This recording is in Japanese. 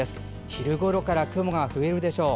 昼ごろから雲が増えるでしょう。